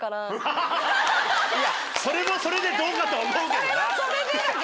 いやそれもそれでどうかと思うけどな。